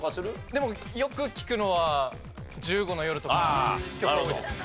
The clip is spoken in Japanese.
でもよく聴くのは『１５の夜』とか結構多いですね。